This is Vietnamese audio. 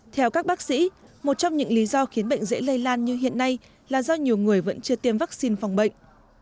theo các bác sĩ một trong những lý do khiến bệnh dễ lây lan như hiện nay là do nhiều người vẫn chưa tiêm vaccine phòng bệnh